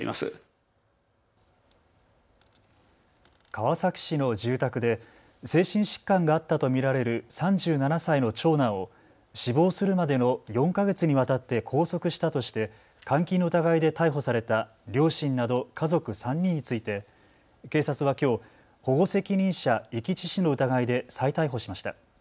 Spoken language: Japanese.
川崎市の住宅で精神疾患があったと見られる３７歳の長男を死亡するまでの４か月にわたって拘束したとして監禁の疑いで逮捕された両親など家族３人について警察はきょう保護責任者遺棄致死の疑いで再逮捕しました。